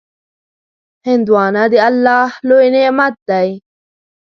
هندوانه د الله لوی نعمت دی.